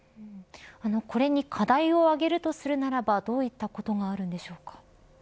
これに課題を挙げるとするならばどういったことがあるんでしょうか。